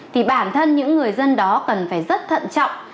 thì bản thân những người dân đó cần phải rất thận trọng